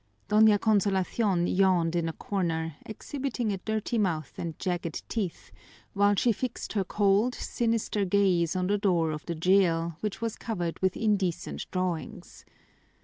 Doña Consolacion yawned in a corner, exhibiting a dirty mouth and jagged teeth, while she fixed her cold, sinister gaze on the door of the jail, which was covered with indecent drawings.